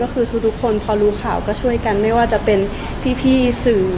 ก็คือทุกคนพอรู้ข่าวก็ช่วยกันไม่ว่าจะเป็นพี่สื่อ